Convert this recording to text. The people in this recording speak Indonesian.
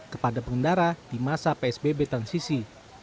kepada pengendara di masa psbb transisi